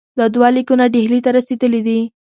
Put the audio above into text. دا دوه لیکونه ډهلي ته رسېدلي دي.